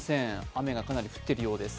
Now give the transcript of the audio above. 雨がかなり降っているようです。